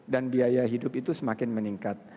dan biaya hidup itu semakin meningkat